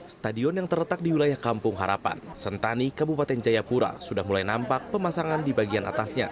stadion yang terletak di wilayah kampung harapan sentani kabupaten jayapura sudah mulai nampak pemasangan di bagian atasnya